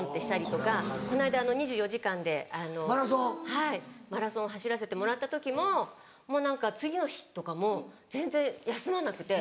はいマラソン走らせてもらった時ももう何か次の日とかも全然休まなくて。